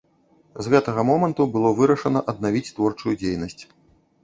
З гэтага моманту было вырашана аднавіць творчую дзейнасць.